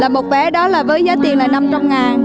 một vé đó với giá tiền là năm trăm linh ngàn